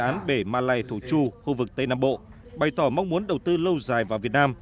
dự án bể malay thổ chu khu vực tây nam bộ bày tỏ mong muốn đầu tư lâu dài vào việt nam